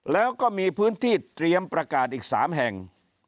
แล้วก็มีพื้นที่เตรียมประกาศอีก๓แห่ง